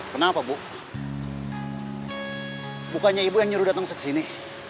kenapa bu bukannya ibu yang nyuruh datang kesini